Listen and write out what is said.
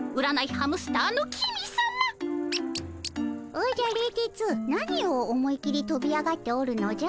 おじゃ冷徹何を思いっきりとび上がっておるのじゃ？